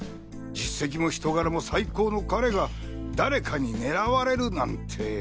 実績も人柄も最高の彼が誰かに狙われるなんて。